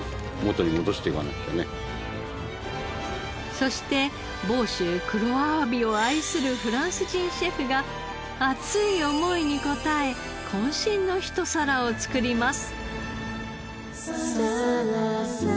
そして房州黒あわびを愛するフランス人シェフが熱い思いに応え渾身のひと皿を作ります。